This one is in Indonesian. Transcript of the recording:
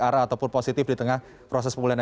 arah ataupun positif di tengah proses pemulihan